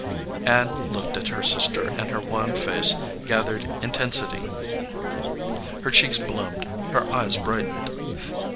Ann looked at her sister, and her wan face gath ered intensity. Her cheeks bloomed; her eyes brightened.